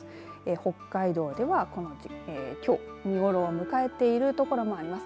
北海道ではきょう見頃を迎えているところもあります。